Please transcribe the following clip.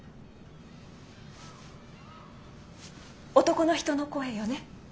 男の人の声よね？